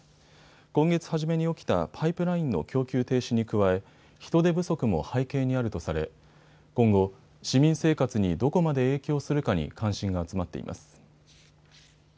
今月初めに起きたパイプラインの供給停止に加え人手不足も背景にあるとされ今後、市民生活にどこまで影響するかに関心が集まっています。